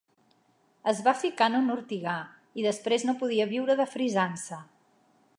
Es va ficar en un ortigar, i després no podia viure de frisança.